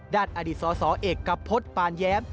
ด้านอดีตสศเอกกับพจน์ปานแย้ม